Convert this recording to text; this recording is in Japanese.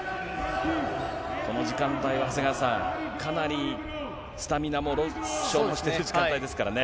この時間帯は長谷川さん、かなりスタミナも消耗してくる時間帯ですからね。